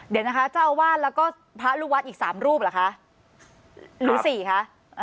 เดี๋ยวนะคะเจ้าอาวาสแล้วก็พระลูกวัดอีกสามรูปเหรอคะหรือสี่คะ